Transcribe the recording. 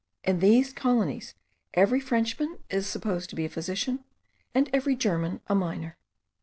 In these colonies every Frenchman is supposed to be a physician, and every German a miner.